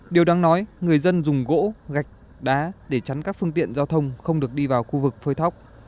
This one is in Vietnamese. điều đáng nói người dân dùng gỗ gạch đá để chắn các phương tiện giao thông không được đi vào khu vực phơi thóc